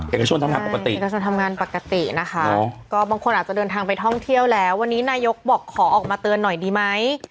เอกชนทำงานปกติเอกชนทำงานปกตินะคะก็บางคนอาจจะเดินทางไปท่องเที่ยวแล้ววันนี้นายกบอกขอออกมาเตือนหน่อยดีไหม